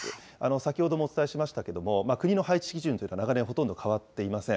先ほどもお伝えしましたけども、国の配置基準というのは長年ほとんど変わっていません。